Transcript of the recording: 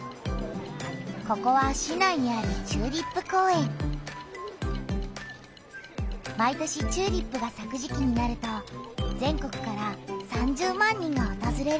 ここは市内にある毎年チューリップがさく時期になると全国から３０万人がおとずれる。